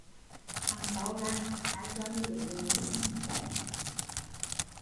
Thằng to gan, ai cho mi lấy vợ mà không xin phép